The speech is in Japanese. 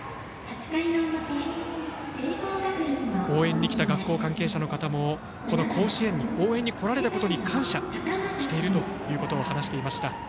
応援に来た学校関係者の方もこの甲子園に応援に来られたことに感謝していると話していました。